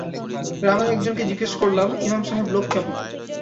গ্রামের একজনকে জিজ্ঞেস করলাম, ইমাম সাহেব লোক কেমন?